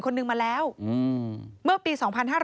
คนหนึ่งมาแล้วเมื่อปี๒๕๕๙